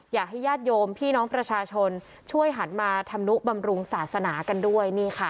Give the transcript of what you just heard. อยากให้ญาติโยมพี่น้องประชาชนช่วยหันมาทำนุบำรุงศาสนากันด้วยนี่ค่ะ